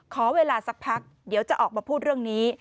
ขอเวลาสักพักเดี๋ยวจะออกมาพูดเรื่องนี้